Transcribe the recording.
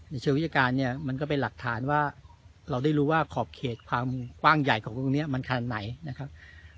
เชิงวิชาการเนี่ยมันก็เป็นหลักฐานว่าเราได้รู้ว่าขอบเขตความกว้างใหญ่ของตรงนี้มันขนาดไหนนะครับ